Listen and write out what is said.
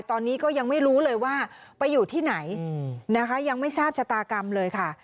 ตอนนี้ก็ยังไม่รู้เลยว่าไปอยู่ที่ไหนนะคะยังไม่ทราบชะตากรรมเลยค่ะ